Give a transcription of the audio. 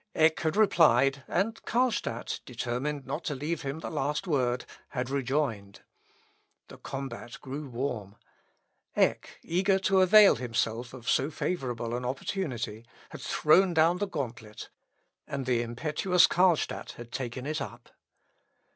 Eck had replied, and Carlstadt, determined not to leave him the last word, had rejoined. The combat grew warm. Eck, eager to avail himself of so favourable an opportunity, had thrown down the gauntlet; and the impetuous Carlstadt had taken it up.